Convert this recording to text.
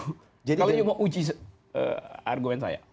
kalian cuma uji argumen saya